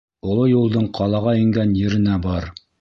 Оло юлдың ҡалаға ингән еренә бар.